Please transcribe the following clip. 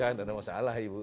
gak juga ada masalah ibu